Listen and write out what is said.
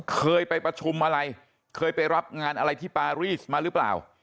เคยไปประชุมอะไรเคยไปรับงานอะไรที่ปารีสมาหรือเปล่า